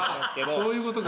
そういうことか。